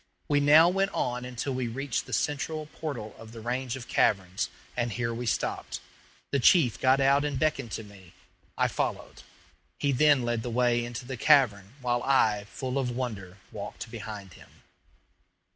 We now went on until we reached the central portal of the range of caverns, and here we stopped. The chief got out and beckoned to me. I followed. He then led the way into the cavern, while I, full of wonder, walked behind him.